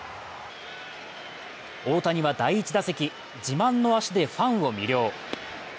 大谷は第１打席、自慢の足でファンを魅了。